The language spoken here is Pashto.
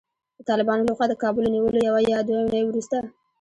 د طالبانو له خوا د کابل له نیولو یوه یا دوې اوونۍ وروسته